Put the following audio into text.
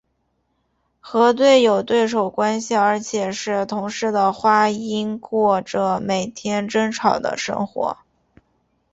和有对手关系而且是同室的花音过着每天争吵的生活。